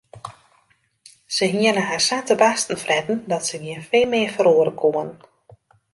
Se hiene har sa te barsten fretten dat se gjin fin mear ferroere koene.